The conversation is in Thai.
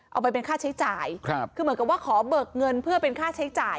เอาไปเป็นค่าใช้จ่ายครับคือเหมือนกับว่าขอเบิกเงินเพื่อเป็นค่าใช้จ่าย